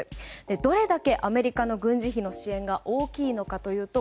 どれだけアメリカの軍事費の支援が大きいのかというと